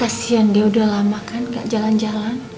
kasian dia udah lama kan gak jalan jalan